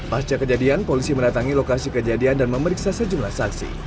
pasca kejadian polisi mendatangi lokasi kejadian dan memeriksa sejumlah saksi